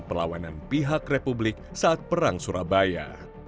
perlawanan pihak republik saat perang surabaya